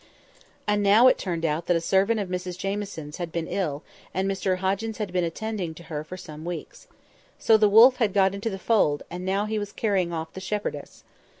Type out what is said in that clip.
And now it turned out that a servant of Mrs Jamieson's had been ill, and Mr Hoggins had been attending her for some weeks. So the wolf had got into the fold, and now he was carrying off the shepherdess.